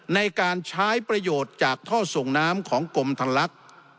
ในการใช้ประโยชน์จากท่อส่งน้ำของกรมทันลัก